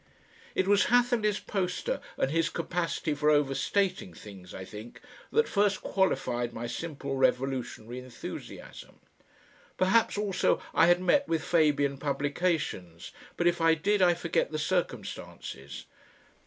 It was Hatherleigh's poster and his capacity for overstating things, I think, that first qualified my simple revolutionary enthusiasm. Perhaps also I had met with Fabian publications, but if I did I forget the circumstances.